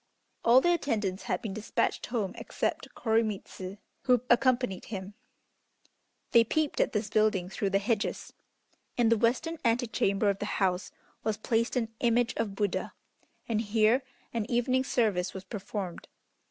All the attendants had been despatched home except Koremitz, who accompanied him. They peeped at this building through the hedges. In the western antechamber of the house was placed an image of Buddha, and here an evening service was performed.